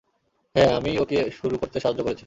হ্যাঁ, আমিই ওকে শুরু করতে সাহায্য করেছি।